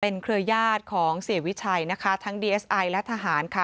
เครือญาติของเสียวิชัยนะคะทั้งดีเอสไอและทหารค่ะ